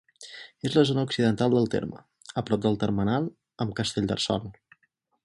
És a la zona occidental del terme, a prop del termenal amb Castellterçol.